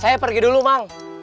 saya pergi dulu mang